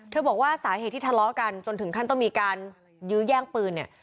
บอกว่าสาเหตุที่ทะเลาะกันจนถึงขั้นต้องมีการยื้อแย่งปืนเนี่ย